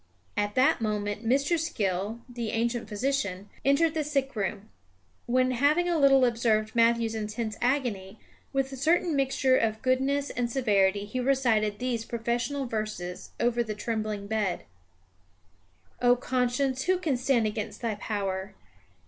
At that moment Mr. Skill, the ancient physician, entered the sick room, when, having a little observed Matthew's intense agony, with a certain mixture of goodness and severity he recited these professional verses over the trembling bed: "O conscience, who can stand against thy power?